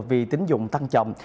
vì tính dụng tăng chậm